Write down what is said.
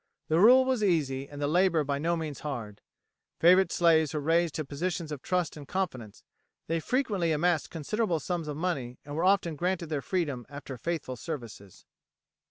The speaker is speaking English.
The rule was easy and the labour by no means hard. Favourite slaves were raised to positions of trust and confidence, they frequently amassed considerable sums of money, and were often granted their freedom after faithful services.